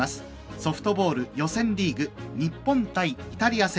ソフトボール予選リーグ日本対イタリア戦